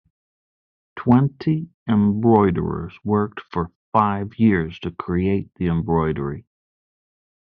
Twenty embroiderers worked for five years to create the embroidery.